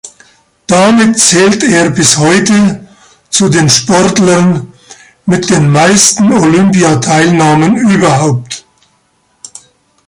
Damit zählt er bis heute zu den Sportlern mit den meisten Olympiateilnahmen überhaupt.